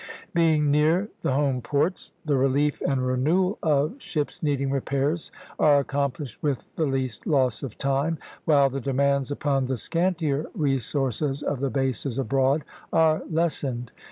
Being near the home ports, the relief and renewal of ships needing repairs are accomplished with the least loss of time, while the demands upon the scantier resources of the bases abroad are lessened.